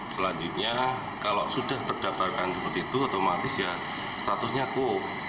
setelah terdapatkan seperti itu otomatis ya statusnya kuo